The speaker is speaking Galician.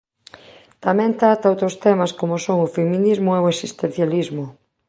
Tamén trata outros temas como son o feminismo e o existencialismo.